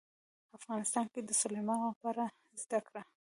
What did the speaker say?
افغانستان کې د سلیمان غر په اړه زده کړه.